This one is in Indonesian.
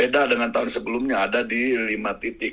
karena tahun sebelumnya ada di lima titik